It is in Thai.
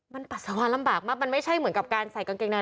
มันปัสสาวะลำบากมากมันไม่ใช่เหมือนกับการใส่กางเกงใน